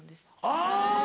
あぁ。